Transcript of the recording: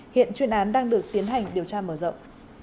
hiện chuyên án đang được tiến hành điều tra mở rộng